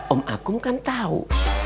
om akum kan tau